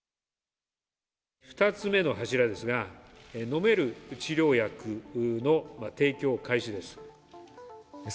２つ目の柱ですが、飲める治療薬の提供開始です。